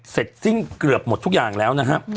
เสร็จซิ่งเกือบหมดทุกอย่างแล้วนะฮะ